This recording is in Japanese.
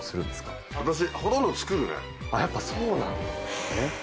やっぱそうなんですね。